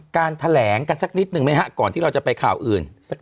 การแถลงกันสักนิดหนึ่งไหมฮะก่อนที่เราจะไปข่าวอื่น